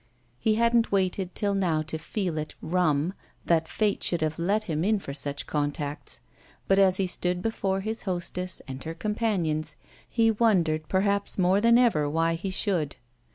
He hadn't waited till now to feel it "rum" that fate should have let him in for such contacts; but as he stood before his hostess and her companions he wondered perhaps more than ever why he should.